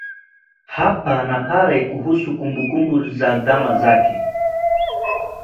hapa na pale kuhusu kumbukumbu za zama zake